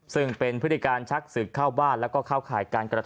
ซึ่งเป็นพฤติการชักสืบเข้าบ้านและเข้าข่ายการกรรธรรม